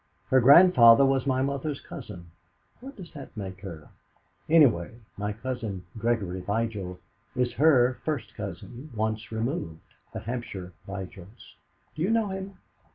Her grandfather was my mother's cousin. What does that make her? Anyway, my cousin, Gregory Vigil, is her first cousin once removed the Hampshire Vigils. Do you know him?"